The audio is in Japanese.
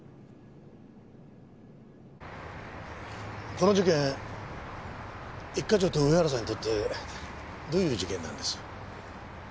この事件一課長と上原さんにとってどういう事件なんです？